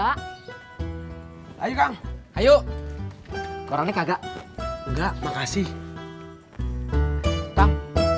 hai ayo ayo hai korangnya kagak enggak makasih hai tak